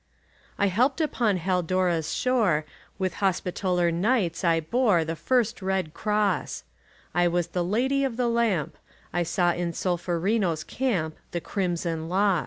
I helped upon Haldora's shore; With Hospitaller Knights I bore The first red cross; I was the Lady of the Lamp; I saw in Solferino's camp The crimson loss.